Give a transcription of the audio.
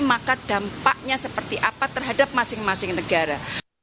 maka dampaknya seperti apa terhadap masing masing negara